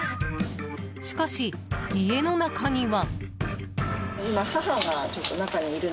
しかし、家の中には。